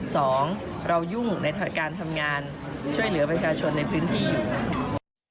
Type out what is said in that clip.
สองเรายุ่งในการทำงานช่วยเหลือประชาชนในพื้นที่อยู่นะครับ